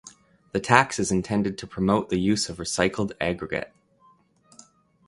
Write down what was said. The tax is intended to promote the use of recycled aggregate.